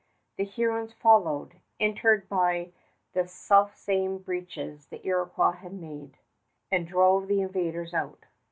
The Hurons followed, entered by the selfsame breaches the Iroquois had made, and drove the invaders out.